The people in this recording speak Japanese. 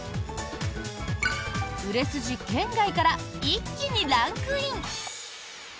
売れ筋圏外から一気にランクイン！